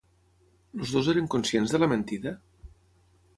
Els dos eren conscients de la mentida?